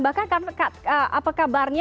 bahkan karena kak apa kabarnya